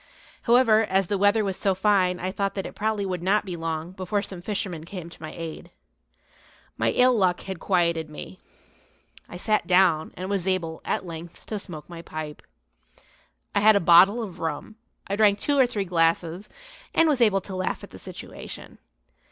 However, as the weather was so fine I thought that it probably would not be long before some fisherman came to my aid. My ill luck had quieted me. I sat down and was able, at length, to smoke my pipe. I had a bottle of rum; I drank two or three glasses, and was able to laugh at the situation.